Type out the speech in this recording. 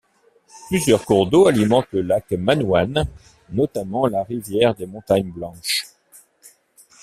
Plusieurs cours d'eau alimentent le lac Manouane, notamment la rivière des Montagnes Blanches.